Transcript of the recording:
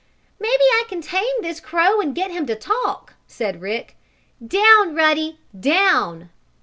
"Maybe I can tame this crow and get him to talk," said Rick. "Down, Ruddy! Down!"